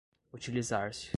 utilizar-se